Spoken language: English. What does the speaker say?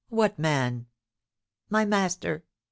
"What man?" "My master!"